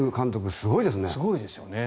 すごいですよね。